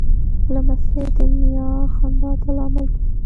لمسی د نیکه خندا ته لامل کېږي.